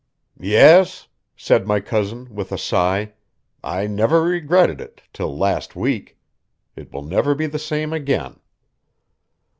"Yes," said my cousin, with a sigh, "I never regretted it till last week. It will never be the same again."